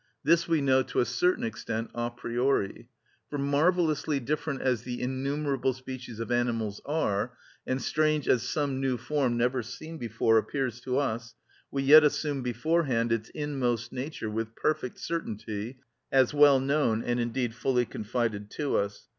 This we know to a certain extent a priori. For marvellously different as the innumerable species of animals are, and strange as some new form, never seen before, appears to us, we yet assume beforehand its inmost nature, with perfect certainty, as well known, and indeed fully confided to us.